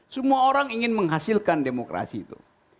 semua orang ingin menghasilkan demokrasi itu